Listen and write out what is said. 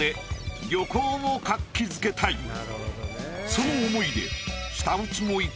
その思いで。